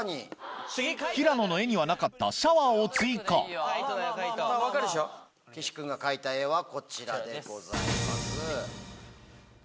平野の絵にはなかったシャワーを追加岸君が描いた絵はこちらでございます。